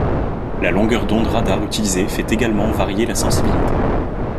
La longueur d'onde radar utilisée fait également varier la sensibilité.